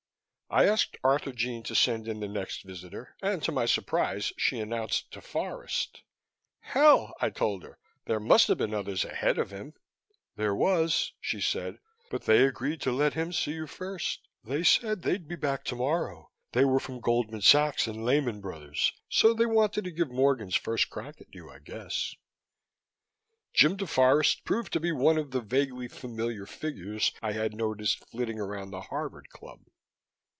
I asked Arthurjean to send in the next visitor and to my surprise she announced DeForest. "Hell!" I told her. "There must have been others ahead of him." "There was," she said, "but they agreed to let him see you first. They said they'd be back tomorrow. They were from Goldman Sachs and Lehman Brothers so they wanted to give Morgan's first crack at you, I guess." Jim DeForest proved to be one of the vaguely familiar figures I had noticed flitting around the Harvard Club.